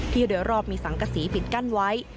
ที่เดือรอบมีสังกสีผิดกั้นไว้